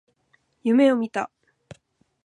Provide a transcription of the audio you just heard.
夢を見た。